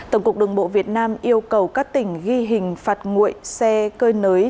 tổng cục đường bộ việt nam yêu cầu các tỉnh ghi hình phạt nguội xe cơi nới